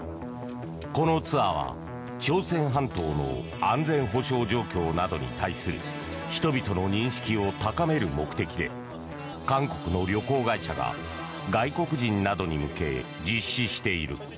このツアーは朝鮮半島の安全保障状況などに対する人々の認識を高める目的で韓国の旅行会社が外国人などに向け実施している。